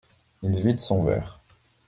Il vide son verre.